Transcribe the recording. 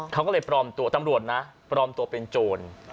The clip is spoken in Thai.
เขาก็เลยปลอมตัวตำรวจนะปลอมตัวเป็นโจร